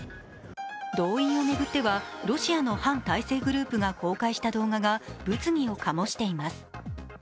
動員を巡ってはロシアの反体制グループが公開した動画が物議を醸しています。